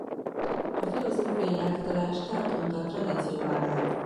A filozófiai áthidalás Tarde óta tradícióvá vált.